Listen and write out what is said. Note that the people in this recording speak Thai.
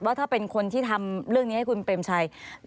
ว่าถ้าเป็นคนที่ทำเรื่องนี้ให้คุณเปรมชัย